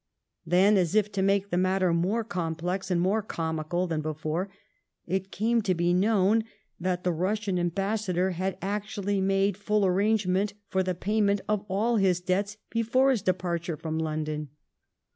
Then, as if to make the matter more complex and more comical than before, it came to be known that the Eussian ambassador had actually made full arrangement for the payment of all his debts before his departure from London.